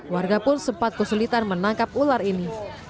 warga pun sempat kesulitan menangkap ular ini